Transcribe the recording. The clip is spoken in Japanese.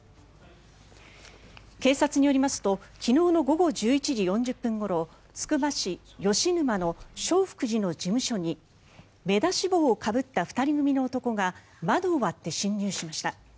警察によりますと昨日の午後１１時４０分ごろつくば市吉沼の正福寺の事務所に目出し帽を被った２人組の男が窓を破って侵入しました。